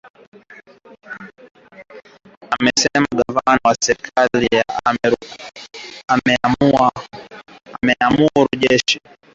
anasema gavana wa serikali ameamuru jeshi la polisi litoe vibali vya silaha mia tano